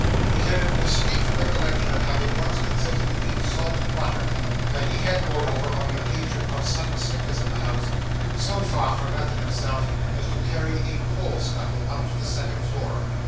He had a distinct recollection of having once consented to eat salt butter, and he had, moreover, on an occasion of sudden sickness in the house, so far forgotten himself as to carry a coal scuttle up to the second floor.